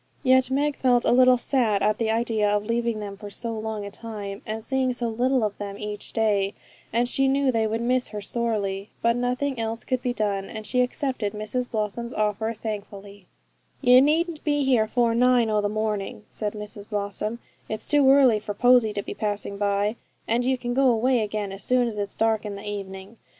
Yet Meg felt a little sad at the idea of leaving them for so long a time, and seeing so little of them each day, and she knew they would miss her sorely. But nothing else could be done, and she accepted Mrs Blossom's offer thankfully. 'You needn't be here afore nine o' the morning,' said Mrs Blossom; 'it's too early for Posy to be passing by; and you can go away again as soon as it's dark in the evening.